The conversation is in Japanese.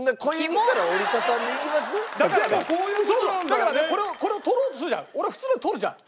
だからねこれを取ろうとするじゃん。